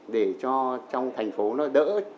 để cho trong thành phố nó đỡ